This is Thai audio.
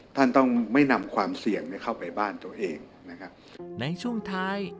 ท่านต้องไม่นำความเสี่ยงเนี่ยเข้าไปบ้านตัวเองนะครับในช่วงท้าย